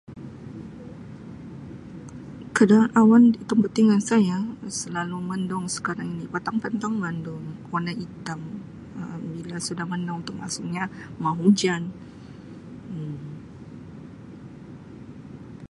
Keadaan awan di tempat tinggal saya selalu mendung sekarang ni petang-petang mendung warna hitam Um bila sudah mendung tu maksudnya mau hujan Um.